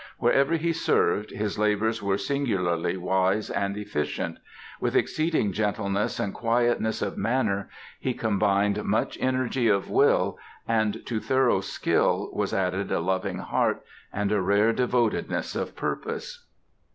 Wherever he served, his labors were singularly wise and efficient; with exceeding gentleness and quietness of manner he combined much energy of will, and to thorough skill was added a loving heart, and a rare devotedness of purpose.